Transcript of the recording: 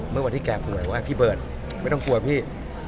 เมื่อวันที่แกป่วยว่าพี่เบิร์ตไม่ต้องกลัวพี่